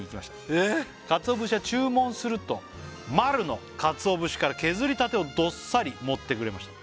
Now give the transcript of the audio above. えっ「鰹節は注文すると」「丸の鰹節から削りたてをどっさり盛ってくれました」